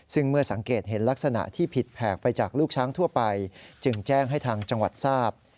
ซึ่งเมื่อสังเกตเห็นลักษณะที่ผิดแผกไปจากลูกช้างทั่วไปจึงแจ้งให้ทางจังหวัดทราบ